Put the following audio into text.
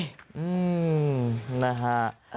อืมนะฮะ